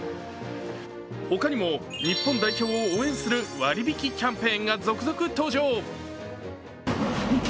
他にも日本代表を応援する割引キャンペーンが続々登場。